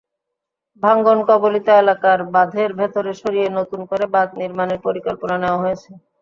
ভাঙনকবলিত এলাকার বাঁধের ভেতরে সরিয়ে নতুন করে বাঁধ নির্মাণের পরিকল্পনা নেওয়া হয়েছে।